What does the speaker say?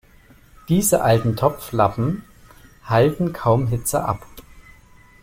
Diese alten Topflappen halten kaum Hitze ab.